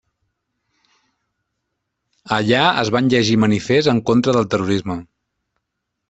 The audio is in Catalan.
Allà es van llegir manifests en contra del terrorisme.